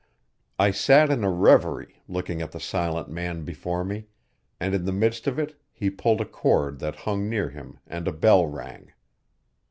I sat in a reverie, looking at the silent man before me, and in the midst of it he pulled a cord that hung near him and a bell rang.